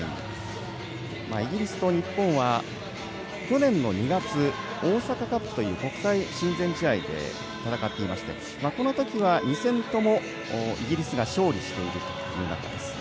イギリスと日本は去年の２月大阪カップという国際親善試合で戦っていましてこのときは、２戦ともイギリスが勝利しています。